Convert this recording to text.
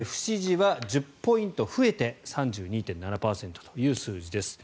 不支持は１０ポイント増えて３２．７％という数字です。